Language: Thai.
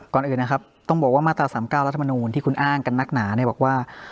ก่อนอื่นนะครับต้องบอกว่ามาตรา๓๙รัฐมนูลที่คุณอ้างกันนักหนาเนี่ยบอกว่า